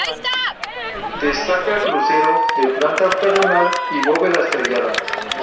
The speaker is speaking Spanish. Destaca el crucero, de planta octogonal y bóveda estrellada.